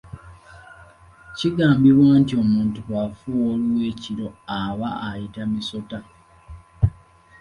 Kigambibwa nti omuntu bw'afuuwa oluwa ekiro aba ayita misota.